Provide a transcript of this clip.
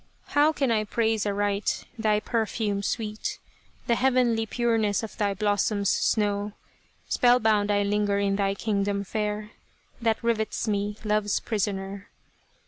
How can I praise aright thy perfume sweet, The heavenly pureness of thy blossom's snow : Spellbound I linger in thy Kingdom fair That rivets me, love's prisoner